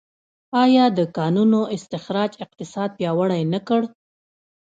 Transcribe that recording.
آیا د کانونو استخراج اقتصاد پیاوړی نه کړ؟